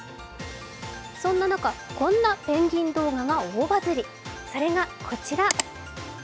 そんな中、こんなペンギン動画が大バズり、それがこちら。